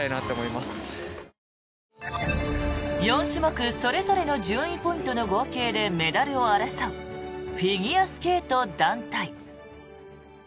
４種目それぞれの順位ポイントの合計でメダルを争うフィギュアスケート団体。